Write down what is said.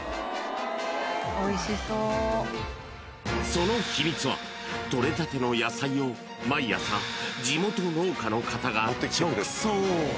［その秘密は取れたての野菜を毎朝地元農家の方が直送］